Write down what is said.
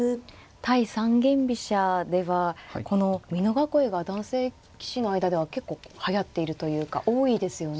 対三間飛車ではこの美濃囲いが男性棋士の間では結構はやっているというか多いですよね。